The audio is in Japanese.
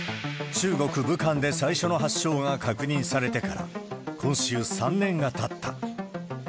中国・武漢で最初の発症が確認されてから、今週、３年がたった。